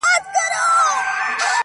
د ماهر فنکار د لاس مجسمه وه٫